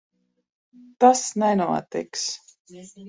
Tas nenotiks.